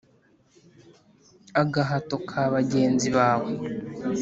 agahato ka bagenzi bawe